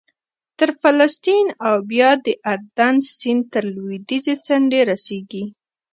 تر فلسطین او بیا د اردن سیند تر لوېدیځې څنډې رسېږي